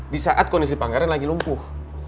disaat kondisi pangeran lagi lumpuh